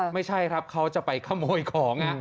ไม่ใช่ครับเขาจะไปขโมยของ